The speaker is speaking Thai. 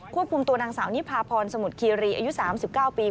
ควบคุมตัวนางสาวนิพาพรสมุทรคีรีอายุ๓๙ปี